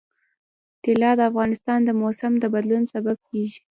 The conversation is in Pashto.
طلا د افغانستان د موسم د بدلون سبب کېږي.